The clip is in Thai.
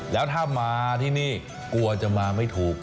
แล้วถ้ามาที่นี่กลัวจะมาไม่ถูก